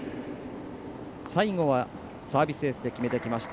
最後はサービスエースで決めてきました